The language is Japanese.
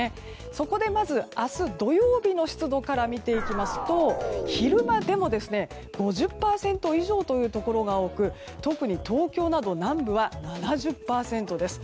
そこで、まず明日土曜日の湿度から見ていきますと昼間でも５０％以上というところが多く特に東京など南部は７０％です。